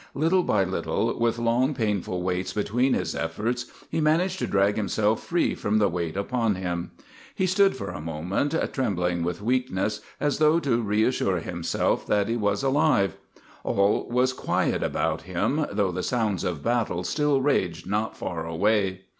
Little by little, with long, painful waits between his efforts, he managed to drag himself free from the weight upon him. He stood for a moment, trembling with weakness, as though to reassure himself that he was alive. All was quiet about him, though the sounds of battle still raged not far away.